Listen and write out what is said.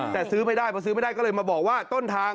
แต่ซื้อไม่ได้พอซื้อไม่ได้ก็เลยมาบอกว่าต้นทาง